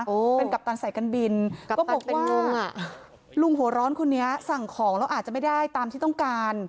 เป็นกัปตันสายกันบินก็บอกว่าลุงหัวร้อนคนนี้สั่งของแล้วอาจจะไม่ได้ตามที่ต้องการ